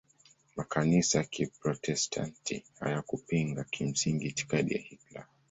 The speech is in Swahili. Makanisa ya Kiprotestanti hayakupinga kimsingi itikadi ya Hitler.